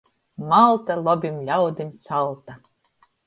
Malta - lobim ļaudim calta!...